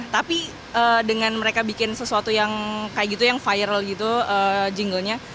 tapi dengan mereka bikin sesuatu yang kayak gitu yang viral gitu jinglenya